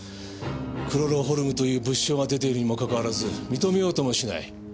クロロホルムという物証が出ているにもかかわらず認めようともしない。